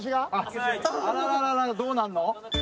あららどうなんの？